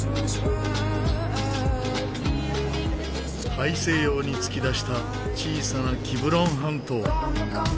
大西洋に突き出した小さなキブロン半島。